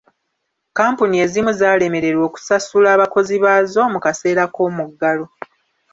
Kampuni ezimu zaalemererwa okusasula abakozi baazo mu kaseera k'omuggalo.